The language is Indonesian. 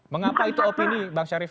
mengapa itu opini bang syarif